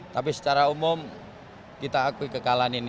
tapi secara umum kita akui kekalahan ini